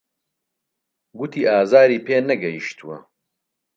گوتی ئازاری پێ نەگەیشتووە.